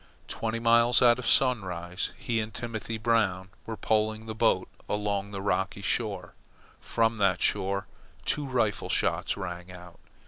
Twenty miles out of Sunrise he and Timothy Brown were poling the boat along the rocky shore. From that shore two rifle shots rang out.